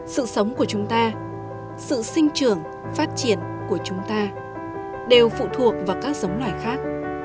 sự sống của chúng ta sự sinh trưởng phát triển của chúng ta đều phụ thuộc vào các giống loài khác